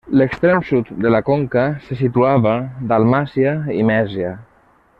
L'extrem sud de la conca se situava Dalmàcia i Mèsia.